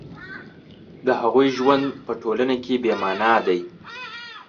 د هغوی ژوند په ټولنه کې بې مانا دی